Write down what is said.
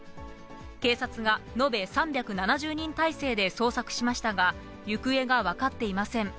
警察が、延べ３７０人態勢で捜索しましたが、行方が分かっていません。